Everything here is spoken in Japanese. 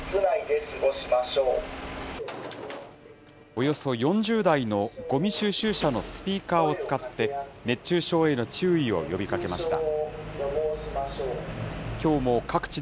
およそ４０台のごみ収集車のスピーカーを使って、熱中症への注意を呼びかけました。